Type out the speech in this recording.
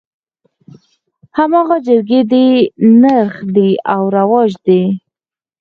هماغه جرګې دي نرخ دى او رواج دى.